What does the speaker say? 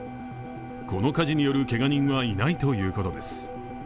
この火事によるけが人はいないということです。